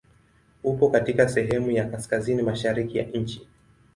Upo katika sehemu ya kaskazini mashariki ya nchi.